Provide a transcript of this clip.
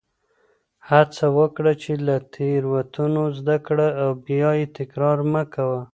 هڅه وکړه چې له تېروتنو زده کړه او بیا یې تکرار مه کوه.